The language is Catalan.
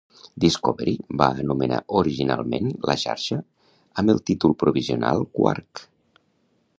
Discovery va anomenar originalment la xarxa amb el títol provisional Quark!